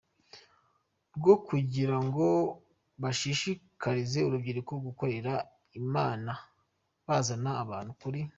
rwo kugira ngo bashishikarize urubyiruko gukorera Imana, bazana abantu kuri.